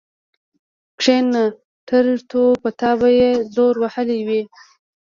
کېنه ټرتو په تا به يې زور وهلی وي.